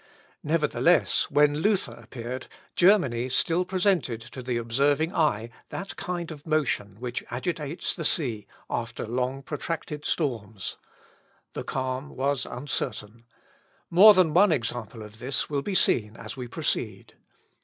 Nevertheless, when Luther appeared, Germany still presented to the observing eye that kind of motion which agitates the sea after long protracted storms. The calm was uncertain. More than one example of this will be seen as we proceed.